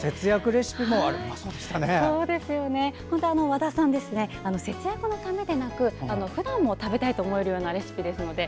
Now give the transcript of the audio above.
和田さんは節約のためじゃなくふだんも食べたいようなレシピですので